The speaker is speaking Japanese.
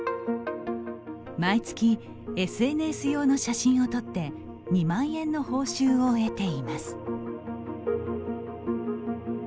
毎月、ＳＮＳ用の写真を撮って２万円の報酬を得ています。